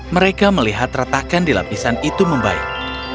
mereka melihat retakan di lapisan itu membaik